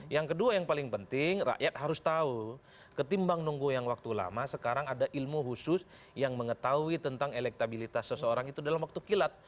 yang kedua yang paling penting rakyat harus tahu ketimbang nunggu yang waktu lama sekarang ada ilmu khusus yang mengetahui tentang elektabilitas seseorang itu dalam waktu kilat